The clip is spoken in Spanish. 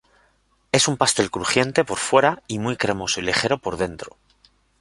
Es un pastel crujiente por fuera y muy cremoso y ligero por dentro.